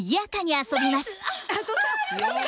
あ！